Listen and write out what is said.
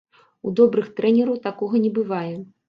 У добрых трэнераў такога не бывае.